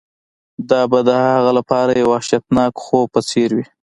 دا به د هغه لپاره د یو وحشتناک خوب په څیر وي